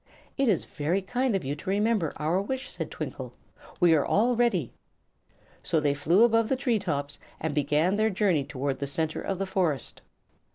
"It is very kind of you to remember our wish," said Twinkle. "We are all ready." So they flew above the tree tops and began their journey toward the center of the forest.